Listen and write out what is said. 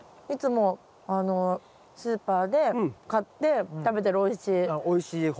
いつもスーパーで買って食べてるおいしい。